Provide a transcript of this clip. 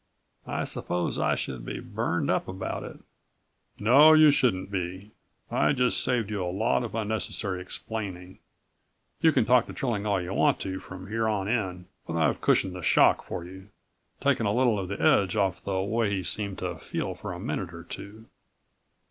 "I suppose I should be burned up about it." "No, you shouldn't be. I just saved you a lot of unnecessary explaining. You can talk to Trilling all you want to from here on in, but I've cushioned the shock for you, taken a little of the edge off the way he seemed to feel for a minute or two."